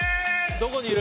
どこにいる？